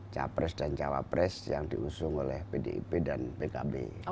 capres dan cawapres yang diusung oleh pdip dan pkb